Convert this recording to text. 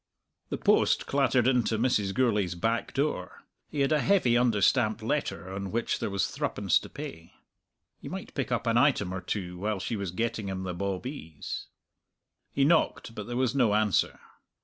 The post clattered in to Mrs. Gourlay's back door. He had a heavy under stamped letter on which there was threepence to pay. He might pick up an item or two while she was getting him the bawbees. He knocked, but there was no answer.